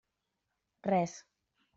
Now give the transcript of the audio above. Res.